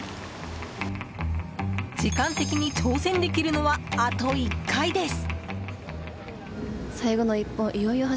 時間的に、挑戦できるのはあと１回です。